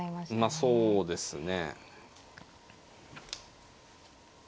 ああそうですね。